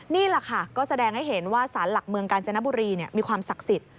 นี่แหละค่ะก็แสดงให้เห็นว่าสารหลักเมืองกาญจนบุรีมีความศักดิ์สิทธิ์